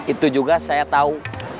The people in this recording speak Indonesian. itu juga saya tahu